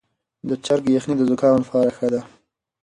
د چرګ یخني د زکام لپاره ښه ده.